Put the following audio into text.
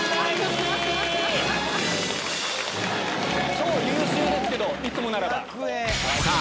超優秀ですけどいつもならば。